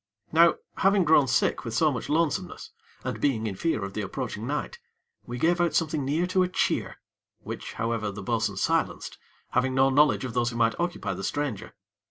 Now, having grown sick with so much lonesomeness, and being in fear of the approaching night, we gave out something near to a cheer, which, however, the bo'sun silenced, having no knowledge of those who might occupy the stranger.